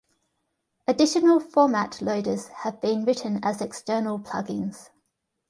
Additional format loaders have been written as external plugins.